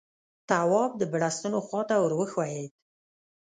تواب د بړستنو خواته ور وښويېد.